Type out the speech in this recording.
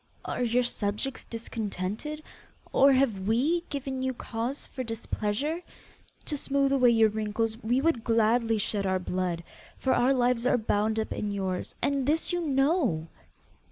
Are your subjects discontented? or have we given you cause for displeasure? To smooth away your wrinkles, we would gladly shed our blood, for our lives are bound up in yours; and this you know.